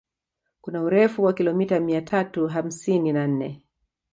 Kuna urefu wa kilomita mia tatu hamsini na nne